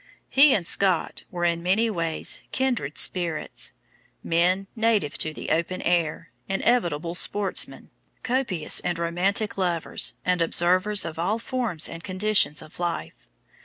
He and Scott were in many ways kindred spirits, men native to the open air, inevitable sportsmen, copious and romantic lovers and observers of all forms and conditions of life.